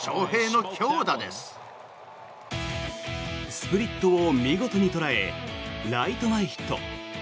スプリットを見事に捉えライト前ヒット。